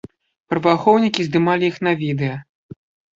Праваахоўнікі здымалі іх на відэа.